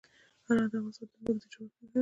هرات د افغانستان د ځمکې د جوړښت نښه ده.